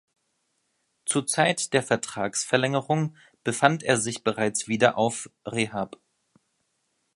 Zur Zeit der Vertragsverlängerung befand er sich bereits wieder auf Rehab.